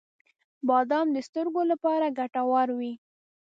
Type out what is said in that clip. • بادام د سترګو لپاره ګټور وي.